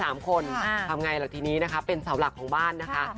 ทำอย่างไรหรือทีนี้นะคะเป็นเสาหลักของบ้านนะคะ